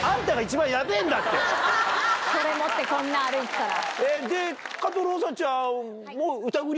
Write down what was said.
それ持って歩いてたら。